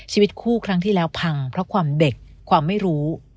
ชีวิตคู่ครั้งที่แล้วพังเพราะความเด็กความไม่รู้